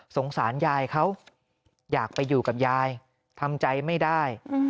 สารยายเขาอยากไปอยู่กับยายทำใจไม่ได้